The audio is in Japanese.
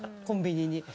コンビニに。